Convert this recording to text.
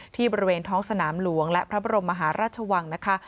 บริเวณท้องสนามหลวงและพระบรมมหาราชวังนะคะ